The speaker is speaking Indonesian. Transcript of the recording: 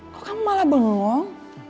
kok kamu malah bengong